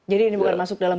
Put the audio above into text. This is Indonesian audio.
jadi ini bukan masuk dalam